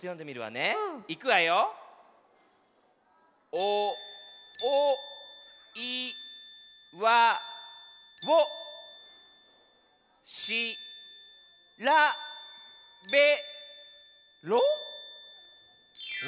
おおいわをしらべろ？